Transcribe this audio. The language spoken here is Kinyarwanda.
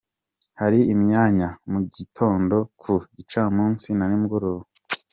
Hari imyanya mu gitondo, ku gicamunsi na nimugoroba.